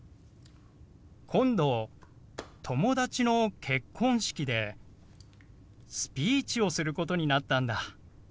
「今度友達の結婚式でスピーチをすることになったんだ」。